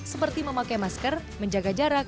seperti memakai masker menjaga jarak